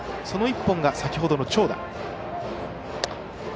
その１本が先ほどの長打。